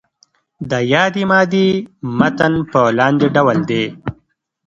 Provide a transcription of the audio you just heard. د یادې مادې متن په لاندې ډول دی.